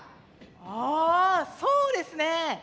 ああそうですね！